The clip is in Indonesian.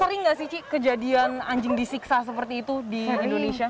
sering nggak sih cik kejadian anjing disiksa seperti itu di indonesia